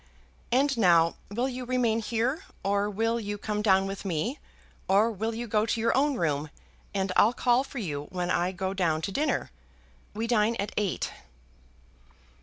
And now, will you remain here, or will you come down with me, or will you go to your own room, and I'll call for you when I go down to dinner? We dine at eight."